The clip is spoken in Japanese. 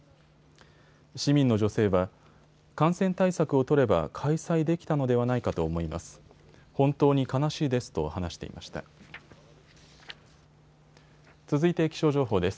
市民の女性は感染対策を取れば開催できたのではないかと思います。